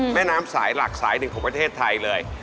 แม่น้ำสายหลักสายหนึ่งของประเทศไทยเลย